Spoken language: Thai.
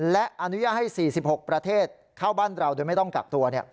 และอนุญาตให้๔๖ประเทศเข้าบ้านเราโดยไม่ต้องกักตัว